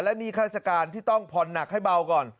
หนี้ข้าราชการที่ต้องผ่อนหนักให้เบาก่อน